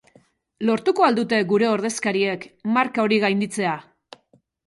Lortuko al dute gure ordezkariek marka hori gainditzea?